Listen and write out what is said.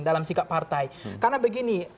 dalam sikap partai karena begini